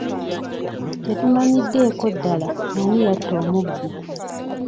Tetumanyiddeeko ddala ani yatta omubbi.